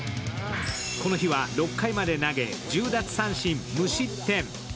この日は６回まで投げ１０奪三振無失点。